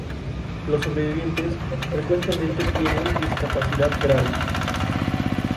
Los sobrevivientes frecuentemente tienen discapacidad grave.